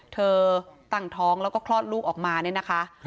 เธอตั้งท้องแล้วก็คลอดลูกออกมาเนี่ยนะคะ